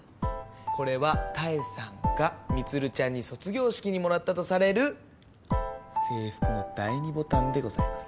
これは多恵さんが充ちゃんに卒業式にもらったとされる制服の第ニボタンでございます。